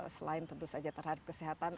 selain tentu saja terhadap kesehatan